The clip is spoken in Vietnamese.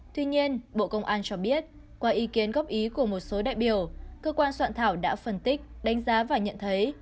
tuy nhiên bộ công an cho biết qua ý kiến góp ý của một số đại biểu cơ quan soạn thảo đã phân tích đánh giá và nhận thấy